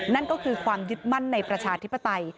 นั่นก็คือความยึดมั่นในประชาธิปไตย